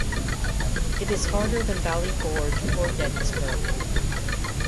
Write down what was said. It is harder than Valley Forge or Gettysburg.